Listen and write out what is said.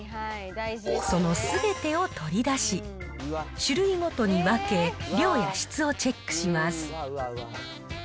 そのすべてを取り出し、種類ごとに分け、量や質をチェックします。